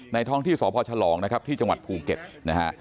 ท้องที่สพฉลองนะครับที่จังหวัดภูเก็ตนะฮะ